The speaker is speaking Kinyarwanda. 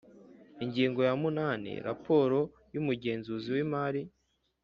Ingingo ya munani Raporo y umugenzuzi w imari